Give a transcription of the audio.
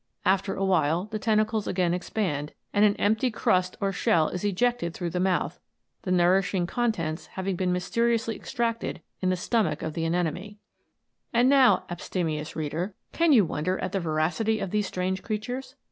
After awhile the ten tacles again expand, and an empty crust or shell is ejected through the mouth, the nourishing contents having been mysteriously extracted in the stomach of the anemone. And now, abstemious reader, can you wonder at the voracity of these strange creatures